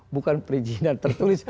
bukan perizinan tertulis